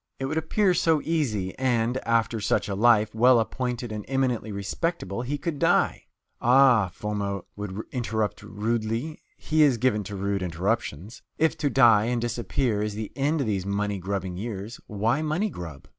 It would appear so easy, and, after such a life, well appointed and eminently respectable, he could die. "Ah," Foma will interrupt rudely he is given to rude interruptions "if to die and disappear is the end of these money grubbing years, why money grub?"